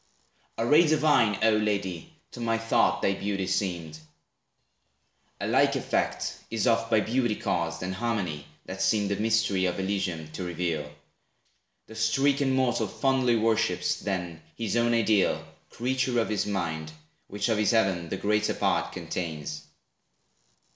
A ray divine, O lady! to my thought Thy beauty seemed. A like effect is oft By beauty caused, and harmony, that seem The mystery of Elysium to reveal. The stricken mortal fondly worships, then, His own ideal, creature of his mind, Which of his heaven the greater part contains.